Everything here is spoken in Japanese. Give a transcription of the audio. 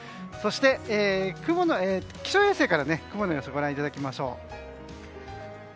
そして、気象衛星から雲の様子をご覧いただきましょう。